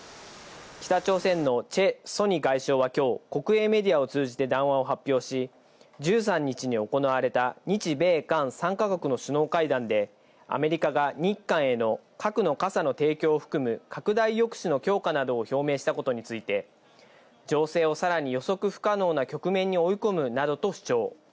北朝鮮のチェ・ソニ外相は今日、国営メディアを通じて談話を発表し、１３日に行われた日米韓３か国の首脳会談でアメリカが日韓への「核の傘」の提供を含む拡大抑止の強化などを表明したことについて、情勢をさらに予測不可能な局面に追い込むなどと主張。